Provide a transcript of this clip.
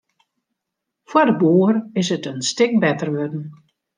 Foar de boer is it in stik better wurden.